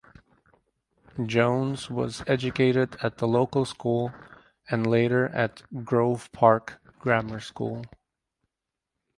Jones was educated at the local school and later at Grove Park Grammar School.